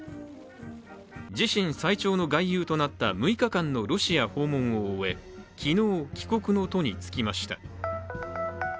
自身最長の外遊となった６日間のロシア訪問を終え昨日、帰国の途につきました。